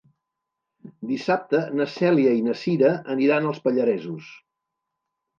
Dissabte na Cèlia i na Cira aniran als Pallaresos.